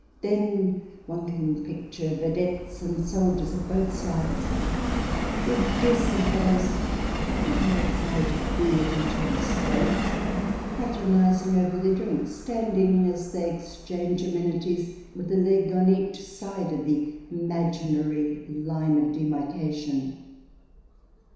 Then one can picture vedettes and soldiers of both sides, good, decent fellows who have no desire to be at each other's throats, fraternizing over their drinks, stand ing, as they exchange amenities, with a leg on each side of the imaginary line of demarcation.